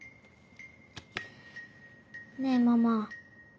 ねぇママ。